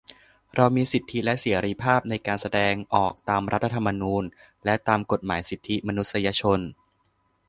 เรามีสิทธิและเสรีภาพในการแสดงออกตามรัฐธรรมนูญ และตามกฎหมายสิทธิมนุษยชน